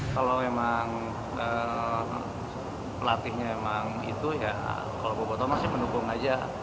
kalau memang pelatihnya itu ya kalau bobotoh masih menukung aja